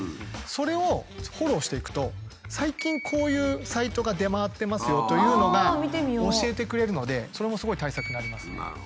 それをフォローしていくと最近こういうサイトが出回ってますよというのが教えてくれるのでそれもすごい対策になりますね。